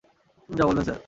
যা বলবেন স্যার।